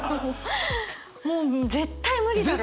もう絶対無理だろう。